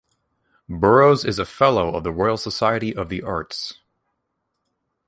Burrows is a Fellow of the Royal Society of the Arts.